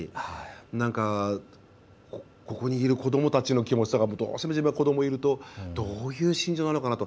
なんか、ここにいる子どもたちの気持ちとかどうしても自分は子どもがいるとどういう心情なのかなと。